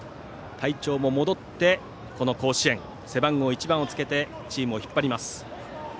体調も戻ってこの甲子園、背番号１番をつけてチームを引っ張ります。